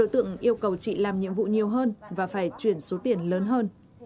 đội tượng yêu cầu chị làm nhiệm vụ nhiều hơn và phải truyền số tiền lớn hơn